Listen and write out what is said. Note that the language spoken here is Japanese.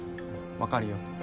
分かるよ